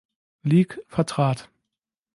Lig, vertrat.